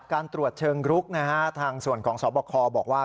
การตรวจเชิงรุกนะฮะทางส่วนของสบคบอกว่า